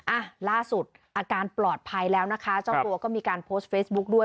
อ่ะล่าสุดอาการปลอดภัยแล้วนะคะเจ้าตัวก็มีการโพสต์เฟซบุ๊คด้วย